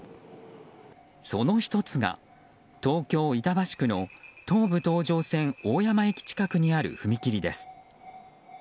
その１つが、東京・板橋区の東武東上線大山駅近くにある踏切です。